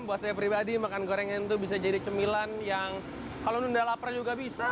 buat saya pribadi makan gorengan itu bisa jadi cemilan yang kalau nunda lapar juga bisa